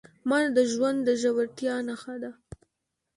مانا د ژوند د ژورتیا نښه ده.